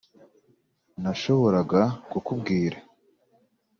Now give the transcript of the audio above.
nashoboraga kukubwira